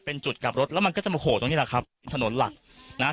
เป็นจุดกลับรถแล้วมันก็จะมาโผล่ตรงนี้แหละครับถนนหลักนะ